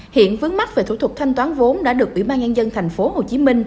hiện vướng mắt về thủ thuật thanh toán vốn đã được ủy ban nhân dân tp hcm